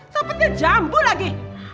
sampai terjambu lagi